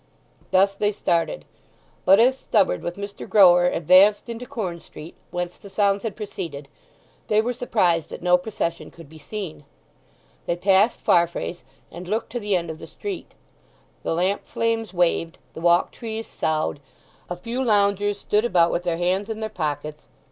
Thus they started. But as Stubberd with Mr. Grower advanced into Corn Street, whence the sounds had proceeded, they were surprised that no procession could be seen. They passed Farfrae's, and looked to the end of the street. The lamp flames waved, the Walk trees soughed, a few loungers stood about with their hands in their pockets.